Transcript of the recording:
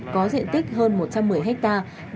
có diện tích hơn một trăm một mươi hectare